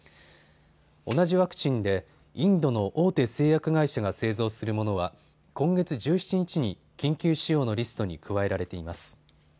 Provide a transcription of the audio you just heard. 同じワクチンでインドの大手製薬会社が製造するものは今月１７日に緊急使用のリストに加えられています。